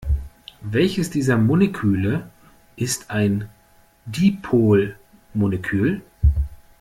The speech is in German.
Welches dieser Moleküle ist ein Dipolmolekül?